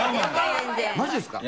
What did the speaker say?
マジですか？